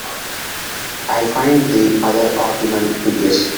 I find the other argument dubious.